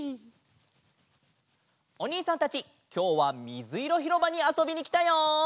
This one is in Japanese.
おにいさんたちきょうはみずいろひろばにあそびにきたよ！